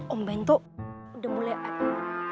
om bento udah mulai akibatnya ya